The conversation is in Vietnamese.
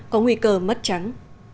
có nguy cơ mất trắng